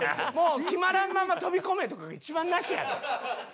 「決まらんまま飛び込め」とかが一番なしやで。